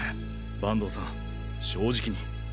板東さん正直に。